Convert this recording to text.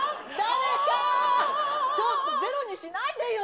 ちょっと、ゼロにしないでよ。